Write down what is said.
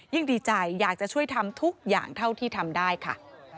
ดีใจอยากจะช่วยทำทุกอย่างเท่าที่ทำได้ค่ะ